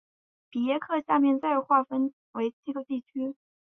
比耶克下面再划分为七个地区。